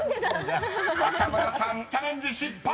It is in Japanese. ［若村さんチャレンジ失敗！］